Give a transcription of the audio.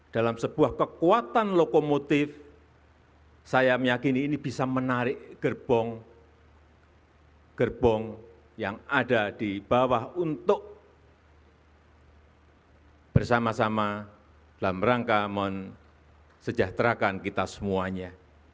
dalam sebuah kekuatan lokomotif saya meyakini ini bisa menarik gerbong yang ada di bawah untuk bersama sama dalam rangka mensejahterakan kita semuanya